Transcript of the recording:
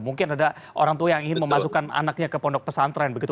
mungkin ada orang tua yang ingin memasukkan anaknya ke pondok pesantren begitu